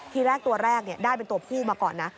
ทีแรกตัวแรกได้เป็นตัวผู้มาก่อนนะ